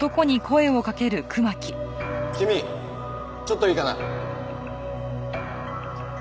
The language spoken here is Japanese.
君ちょっといいかな。